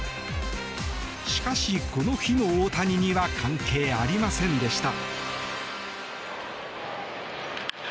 しかし、この日の大谷には関係ありませんでした。